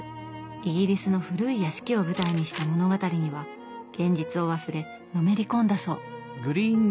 イギリスの古い屋敷を舞台にした物語には現実を忘れのめり込んだそう。